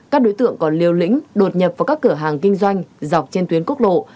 các đối tượng còn liều lĩnh đột nhập vào các cửa hàng kinh doanh dọc trên tuyến quốc lộ